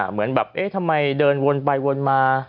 เหมือนแบบเอ๊ะทำไมเดินวนไปวนมา